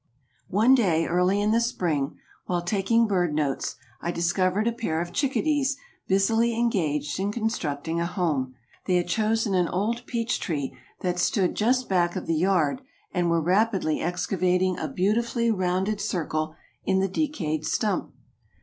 One day early in the spring, while taking bird notes I discovered a pair of chickadees busily engaged in constructing a home. They had chosen an old peach tree that stood just back of the yard and were rapidly excavating a beautifully rounded circle in the decayed stump.